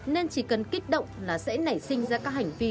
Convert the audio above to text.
nên chỉ cần kích động là sẽ nảy sinh ra các hành vi